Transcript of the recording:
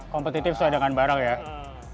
kompetitif sesuai dengan barang ya